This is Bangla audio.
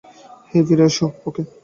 হেই, ফিরে আসো, ওকে?